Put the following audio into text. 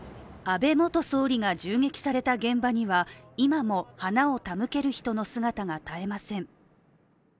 安倍元総理が銃撃された現場には、今も花を手向ける人の姿が絶えません。